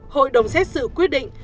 hội đồng xét xử quyết định